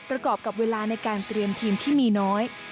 กรอบกับเวลาในการเตรียมทีมที่มีน้อย